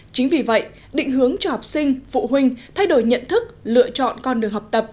chính vì vậy định hướng cho học sinh phụ huynh thay đổi nhận thức lựa chọn con đường học tập